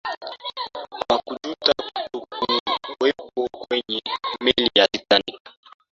hawakujuta kutokuwepo kwenye meli ya titanic